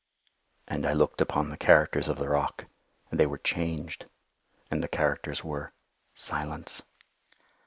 And I looked upon the characters of the rock, and they were changed; and the characters were SILENCE.